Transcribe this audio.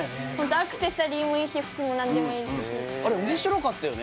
アクセサリーもいいし服も何でもいいし面白かったよね